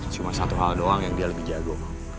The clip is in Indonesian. cuma satu hal doang yang dia lebih jago